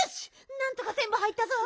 なんとかぜんぶ入ったぞ！